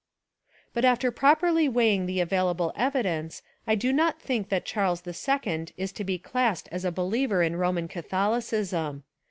But after properly weighing the available evidence I do not think that Charles II Is to be classed as a believer In Roman Catholicism.